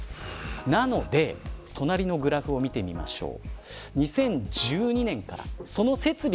なので隣のグラフを見てみましょう。